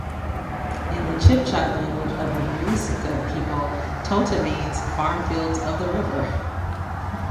In the Chibcha language of the Muisca people, Tota means "Farmfields of the river".